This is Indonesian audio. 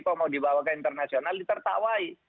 kalau mau dibawa ke internasional ditertawai